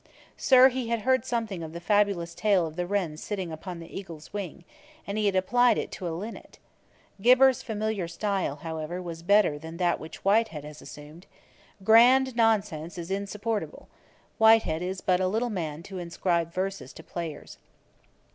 Sir, he had heard something of the fabulous tale of the wren sitting upon the eagle's wing, and he had applied it to a linnet. Gibber's familiar style, however, was better than that which Whitehead has assumed. Grand nonsense is insupportable. Whitehead is but a little man to inscribe verses to players.'